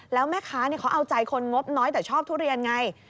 แล้วแม่ค้าเขาเอาใจคนงบน้อยแต่ชอบทุเรียนไง